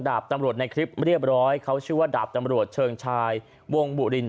ดาบตำรวจในคลิปเรียบร้อยเขาชื่อว่าดาบตำรวจเชิงชายวงบุริน